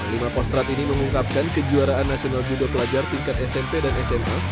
lima postrat ini mengungkapkan kejuaraan nasional judo pelajar tingkat smp dan sma